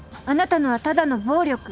あなたのはただの暴力。